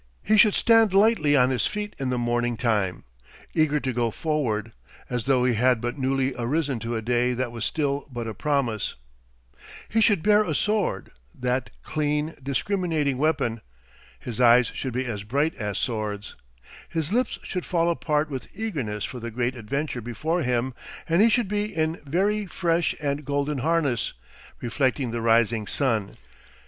He should stand lightly on his feet in the morning time, eager to go forward, as though he had but newly arisen to a day that was still but a promise; he should bear a sword, that clean, discriminating weapon, his eyes should be as bright as swords; his lips should fall apart with eagerness for the great adventure before him, and he should be in very fresh and golden harness, reflecting the rising sun.